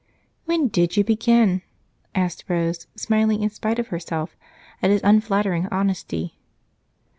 "When did you begin?" asked Rose, smiling in spite of herself at his unflattering honesty.